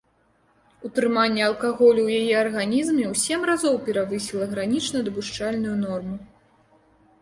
Утрыманне алкаголю ў яе арганізме ў сем разоў перавысіла гранічна дапушчальную норму.